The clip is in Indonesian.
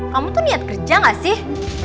kamu tuh niat kerja gak sih